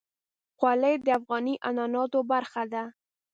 خولۍ د افغاني عنعناتو برخه ده.